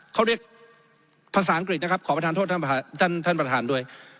เขาเรียกภาษาอังกฤษนะครับขอประทานโทษท่านประธานด้วย